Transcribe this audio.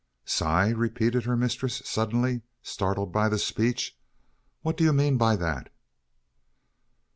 "Sigh!" repeated her mistress, suddenly startled by the speech. "What do you mean by that?"